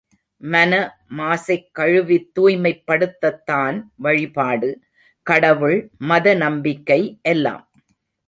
மன மாசைக் கழுவித் தூய்மைப் படுத்தத்தான் வழிபாடு, கடவுள், மத நம்பிக்கை எல்லாம்.